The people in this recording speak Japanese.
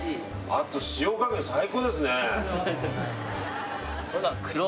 あと塩加減最高ですね